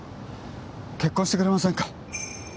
結婚してくれませんか？